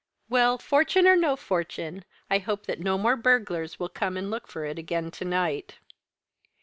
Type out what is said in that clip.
"Well, fortune or no fortune, I do hope that no more burglars will come and look for it again to night."